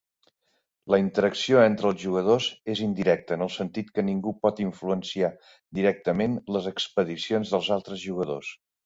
La interacció entre els jugadors és indirecta en el sentit que ningú pot influenciar directament les expedicions dels altres jugadors.